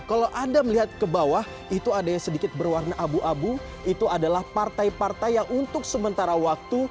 kalau anda melihat ke bawah itu ada yang sedikit berwarna abu abu itu adalah partai partai yang untuk sementara waktu